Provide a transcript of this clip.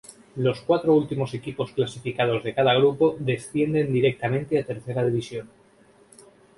Los cuatro últimos equipos clasificados de cada grupo descienden directamente a Tercera División.